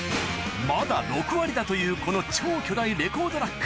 まだ６割だというこの超巨大レコードラック